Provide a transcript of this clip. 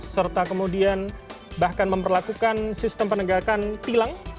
serta kemudian bahkan memperlakukan sistem penegakan tilang